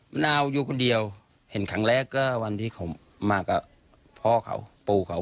มันไม่มีการคืนที่หรอกทำกันขนาดนี้